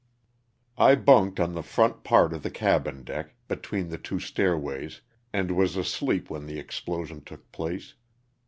T BUNKED on the front part of the cabin deck, between the two stairways, and was asleep when the explosion took place.